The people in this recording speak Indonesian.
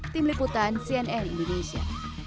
tim liputan cnn indonesia